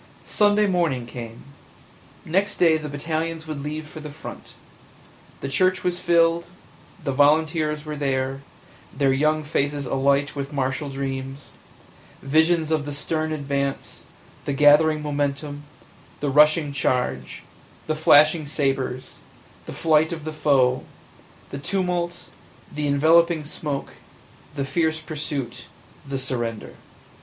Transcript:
Sunday morning came – next day the battalions would leave for the front; the church was filled; the volunteers were there, their young faces alight with martial dreams – visions of the stern advance, the gathering momentum, the rushing charge, the flashing sabers, the flight of the foe, the tumult, the enveloping smoke, the fierce pursuit, the surrender!